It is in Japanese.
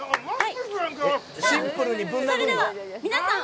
それでは皆さん